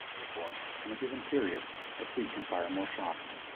Therefore, in a given period, the fleet can fire more shots.